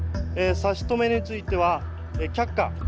差し止めについては却下。